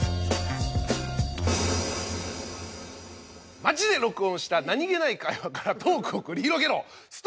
街で録音した何げない会話からトークを繰り広げろスト